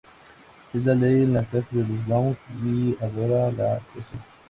Es la ley en la casa de los Brown y adora la actuación.